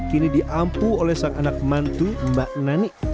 kini diampu oleh sang anak mantu mbak nani